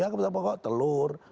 ya kebutuhan pokok telur